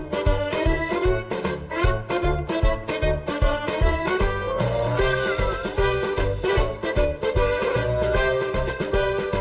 สวัสดีครับ